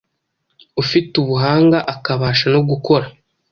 ufite ubuhanga akabasha no gukora